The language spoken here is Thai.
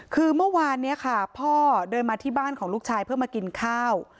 คือเมื่อวานนี้ค่ะพ่อเดินมาที่บ้านของลูกชายเพื่อมากินข้าว